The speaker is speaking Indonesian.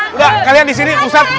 udah kalian disini ustaz